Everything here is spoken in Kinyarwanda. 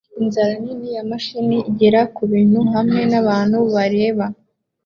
Inzara nini ya mashini igera kubintu hamwe nabantu bareba